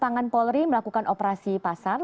pangan polri melakukan operasi pasar